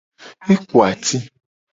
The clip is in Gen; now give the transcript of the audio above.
E ku ati.